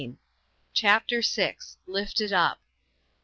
CHAPTER VL LIFTED UP.